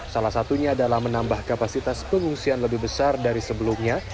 salah satunya adalah menambah kapasitas pengungsian lebih besar dari sebelumnya